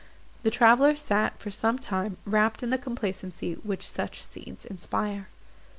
The travellers sat for some time wrapt in the complacency which such scenes inspire.